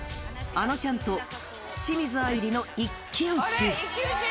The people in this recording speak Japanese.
あのちゃんと清水あいりの一騎打ち。